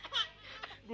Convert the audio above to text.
aku juga tradisi